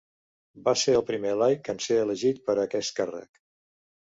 Va ser el primer laic en ser elegit per a aquest càrrec.